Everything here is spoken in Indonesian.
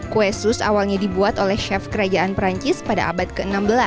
kue sus awalnya dibuat oleh chef kerajaan perancis pada abad ke enam belas